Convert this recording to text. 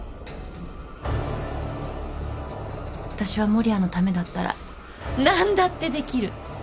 私は守谷のためだったら何だってできる！